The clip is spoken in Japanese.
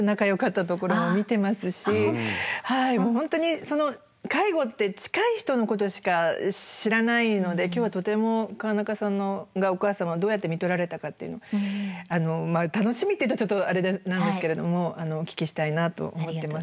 本当にその介護って近い人のことしか知らないので今日はとても川中さんがお母様をどうやってみとられたかっていうのをあのまあ楽しみって言うとちょっとあれなんですけれどもお聞きしたいなと思ってます